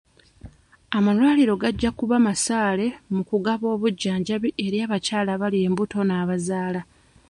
Amalwaliro gajja kuba masaale mu kugaba obujjanjabi eri abakyala abali embuto n'abazaala.